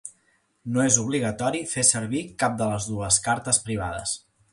No és obligatori fer servir cap de les dues cartes privades.